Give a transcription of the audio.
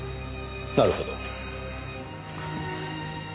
なるほど。